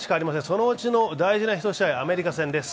そのうちの大事な１試合、アメリカ戦です。